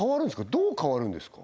どう変わるんですか？